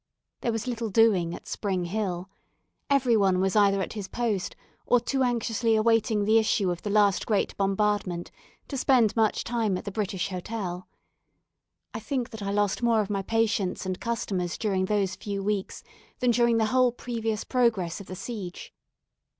There was little doing at Spring Hill. Every one was either at his post, or too anxiously awaiting the issue of the last great bombardment to spend much time at the British Hotel. I think that I lost more of my patients and customers during those few weeks than during the whole previous progress of the siege.